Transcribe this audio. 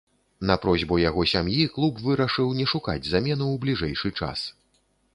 На просьбу яго сям'і клуб вырашыў не шукаць замену ў бліжэйшы час.